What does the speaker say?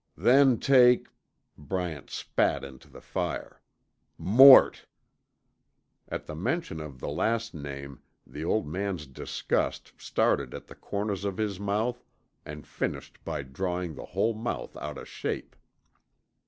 Then take " Bryant spat into the fire " Mort!" At the mention of the last name the old man's disgust started at the corners of his mouth and finished by drawing the whole mouth out of shape.